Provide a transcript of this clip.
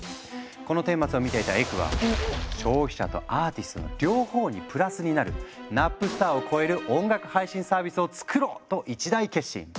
この顛末を見ていたエクは「消費者とアーティストの両方にプラスになるナップスターを超える音楽配信サービスを作ろう！」と一大決心。